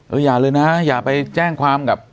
อย่าเลยนะอย่าไปแจ้งความกับ